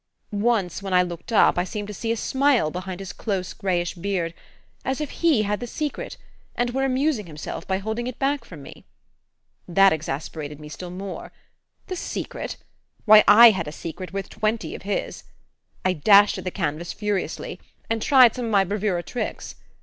"Once, when I looked up, I seemed to see a smile behind his close grayish beard as if he had the secret, and were amusing himself by holding it back from me. That exasperated me still more. The secret? Why, I had a secret worth twenty of his! I dashed at the canvas furiously, and tried some of my bravura tricks.